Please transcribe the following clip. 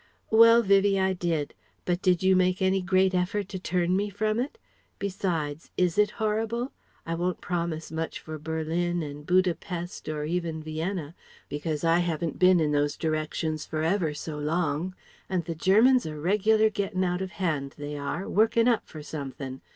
"Well, Vivie. I did. But did you make any great effort to turn me from it? Besides, is it horrible? I won't promise much for Berlin and Buda Pest or even Vienna, because I haven't been in those directions for ever so long, and the Germans are reg'lar getting out of hand, they are, working up for something.